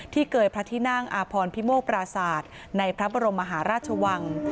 เกยพระที่นั่งอาพรพิโมกปราศาสตร์ในพระบรมมหาราชวัง